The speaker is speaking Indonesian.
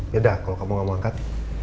yaudah kalo kamu gak mau angkat